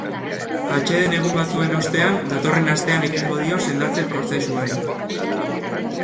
Atseden egun batzuen ostean, datorren astean ekingo dio sendatze-prozesuari.